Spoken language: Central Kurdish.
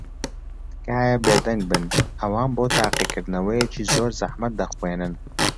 تکایە بێدەنگ بن. ئەوان بۆ تاقیکردنەوەیەکی زۆر زەحمەت دەخوێنن.